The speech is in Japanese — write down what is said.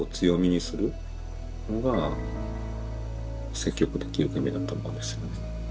積極的受け身だと思うんですよね。